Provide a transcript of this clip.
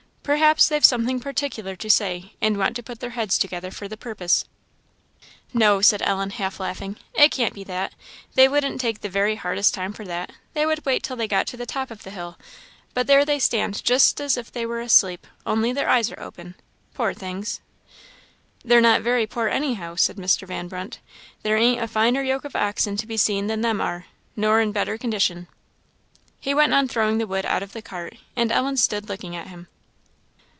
Perhaps they've something particular to say, and want to put their heads together for the purpose." "No," said Ellen, half laughing, "it can't be that; they wouldn't take the very hardest time for that; they would wait till they got to the top of the hill: but there they stand just as if they were asleep, only their eyes are open. Poor things!" "They're not very poor anyhow," said Mr. Van Brunt; "there ain't a finer yoke of oxen to be seen than them are, nor in better condition." He went on throwing the wood out of the cart, and Ellen stood looking at him.